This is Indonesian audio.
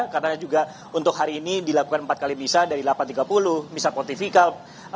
karena juga untuk hari ini dilakukan empat kali misa dari delapan tiga puluh misa kultifikal